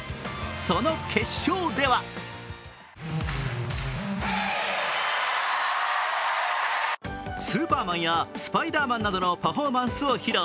その決勝ではスーパーマンやスパイダーマンなどのパフォーマンスを披露。